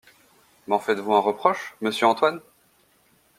M’en faites-vous un reproche, monsieur Antoine ?